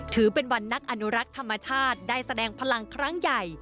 ถือเป็นวันนักอนุรักษ์ธรรมชาติได้แสดงพลังครั้งใหญ่